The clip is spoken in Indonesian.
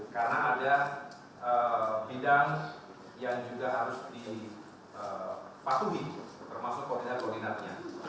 karena ada bidang yang juga harus dipatuhi termasuk koordinat koordinatnya